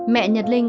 mẹ nhật linh